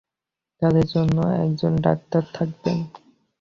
তাদের জন্য একজন ডাক্তার থাকবেন।